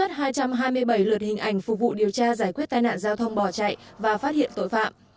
hai trăm hai mươi bảy lượt hình ảnh phục vụ điều tra giải quyết tai nạn giao thông bỏ chạy và phát hiện tội phạm